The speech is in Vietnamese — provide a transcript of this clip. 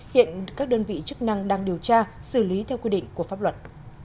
hiện các đơn vị chức năng đang điều tra xử lý theo quy định của pháp luật